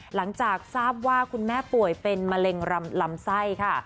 หลังจากทราบว่าคุณแม่ป่วยเป็นมะเร็งลำไส้ค่ะ